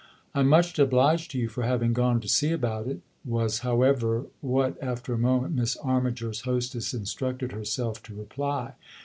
"I'm much obliged to you for having gone to see about it " was, however, what, after a moment, Miss Armiger's hostess instructed herself to reply.